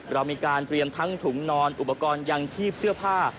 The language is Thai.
เรามีการเตรียมทั้งถุงนอนอุปกรณ์ยังชีพเสื้อผ้า